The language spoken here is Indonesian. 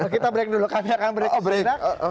kita break dulu kami akan break sesudah